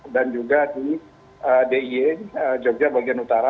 dan juga di d i e jogja bagian utara